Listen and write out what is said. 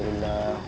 ya ayusah tubuhmu